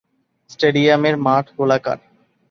স্টেডিয়ামের মাঠ গোলাকার।